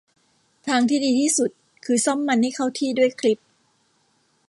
ทางที่ดีที่สุดคือซ่อมมันให้เข้าที่ด้วยคลิป